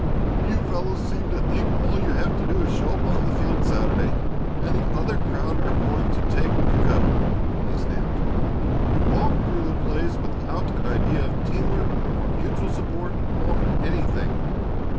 "You fellows seem to think all you have to do is to show up on the field Saturday and the other crowd are going to take to cover!" he snapped. "You walk through the plays without an idea of team work, or mutual support, or anything.